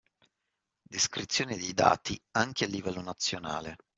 Descrizioni dei dati anche a livello nazionale